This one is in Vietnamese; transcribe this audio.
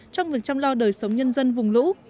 trong việc chăm lo đời sống nhân dân vùng lũ